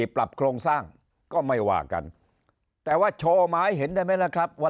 ปรับโครงสร้างก็ไม่ว่ากันแต่ว่าโชว์มาให้เห็นได้ไหมล่ะครับว่า